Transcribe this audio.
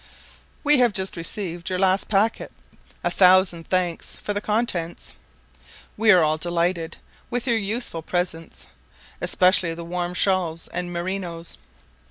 We have just received your last packet; a thousand thanks for the contents. We are all delighted with your useful presents, especially the warm shawls and merinos.